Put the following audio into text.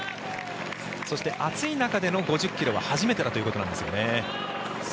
そして暑い中での５０ｋｍは初めてということですよね。